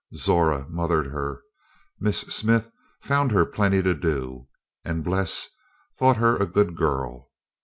Zora mothered her, Miss Smith found her plenty to do, and Bles thought her a good girl.